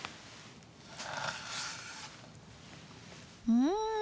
うん！